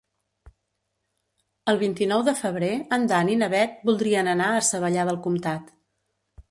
El vint-i-nou de febrer en Dan i na Bet voldrien anar a Savallà del Comtat.